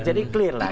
jadi clear lah